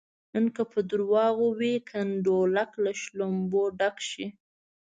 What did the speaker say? نن که په درواغو وي کنډولک له شلومبو ډک شي.